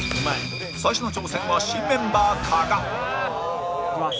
最初の挑戦は新メンバー、加賀いきます。